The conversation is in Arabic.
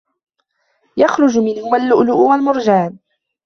يَخرُجُ مِنهُمَا اللُّؤلُؤُ وَالمَرجانُ